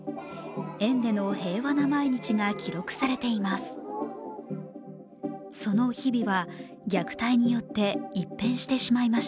園での平和な毎日が記録されています。